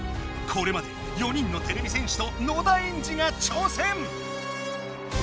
これまで４人のてれび戦士と野田エンジが挑戦！